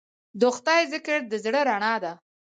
د خدای ذکر د زړه رڼا ده.